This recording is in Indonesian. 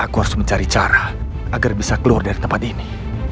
aku harus mencari cara agar bisa keluar dari tempat ini